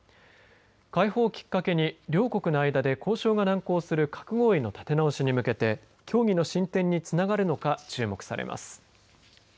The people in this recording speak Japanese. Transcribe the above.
解放をきっかけに両国の間で交渉が難航する核合意の立て直しに向けて協議の進展につながるのか注目されます。